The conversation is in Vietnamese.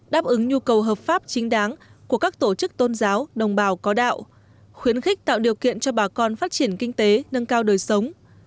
đáp ứng nhu cầu hợp pháp chính đáng của các tổ chức tôn giáo đồng bào có đạo khuyến khích tạo điều kiện cho bà con phát triển kinh tế nâng cao đời sống